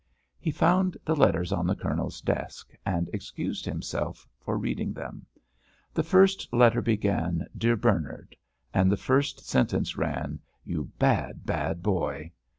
He found the letters on the Colonel's desk, and excused himself for reading them. The first letter began: "Dear Bernard," and the first sentence ran: "You bad, bad boy."